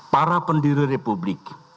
para pendiri republik